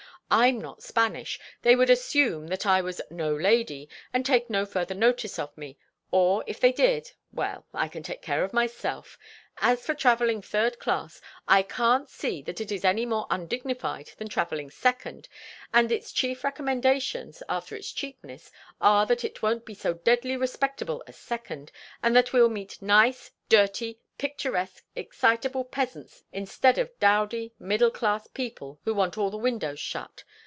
I'm not Spanish; they would assume that I was 'no lady' and take no further notice of me; or, if they did—well, I can take care of myself. As for travelling third class, I can't see that it is any more undignified than travelling second, and its chief recommendations, after its cheapness, are that it won't be so deadly respectable as second, and that we'll meet nice, dirty, picturesque, excitable peasants instead of dowdy middle class people who want all the windows shut.